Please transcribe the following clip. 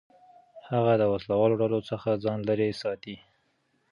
هغه د وسلهوالو ډلو څخه ځان لېرې ساتي.